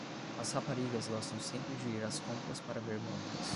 As raparigas gostam sempre de ir às compras para ver montras.